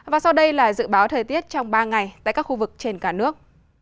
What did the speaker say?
và sau đây là dự báo thời tiết trong ba ngày tại các khu vực trên cả nước